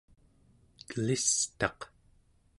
kelistaq